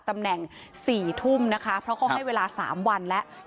ตำแหน่งสี่ทุ่มนะคะเพราะเขาให้เวลาสามวันแล้วใครค่ะ